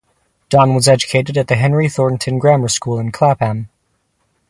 Don was educated at the Henry Thornton Grammar School in Clapham.